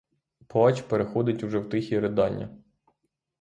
Плач переходить уже в тихі ридання.